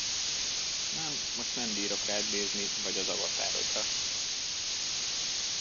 Nem, most nem bírok rád nézni, vagy az avatarodra.